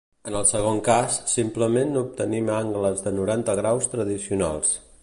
En el segon cas, simplement obtenim angles de noranta graus tradicionals.